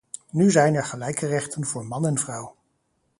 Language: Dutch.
Nu zijn er gelijke rechten voor man en vrouw.